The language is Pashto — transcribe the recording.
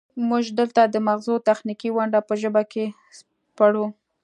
موږ دلته د مغزو تخنیکي ونډه په ژبه کې سپړو